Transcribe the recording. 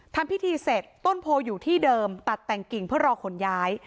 ทำพิธีเสร็จต้นโพอยู่ที่เดิมตัดแต่งกิ่งเพื่อรอขนย้าย